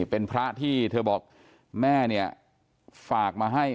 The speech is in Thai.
เป็นพระที่เธอบอกแม่เนี่ยฝากมาให้